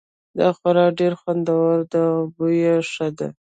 دا خوراک ډېر خوندور ده او بوی یې ښه ده